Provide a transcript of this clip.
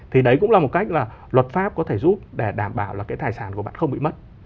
thì đấy cũng là một cách là luật pháp có thể giúp để đảm bảo là cái tài sản của bạn không bị mất